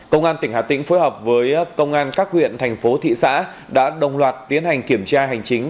công an tỉnh hà tĩnh phối hợp với công an các huyện thành phố thị xã đã đồng loạt tiến hành kiểm tra hành chính